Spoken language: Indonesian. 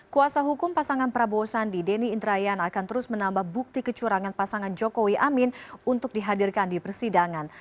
kuasa hukum pasangan prabowo sandi deni indrayana akan terus menambah bukti kecurangan pasangan jokowi amin untuk dihadirkan di persidangan